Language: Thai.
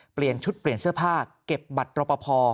เปลี่ยนชุดเปลี่ยนเสื้อผ้าเก็บบัตรรอปภ